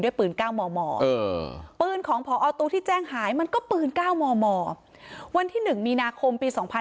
ด้วยปืน๙มมปืนของพอตุที่แจ้งหายมันก็ปืน๙มม